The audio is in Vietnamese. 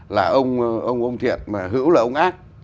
là ông thiệt mà hữu là ông ác